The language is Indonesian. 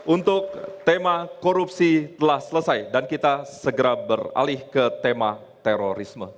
untuk tema korupsi telah selesai dan kita segera beralih ke tema terorisme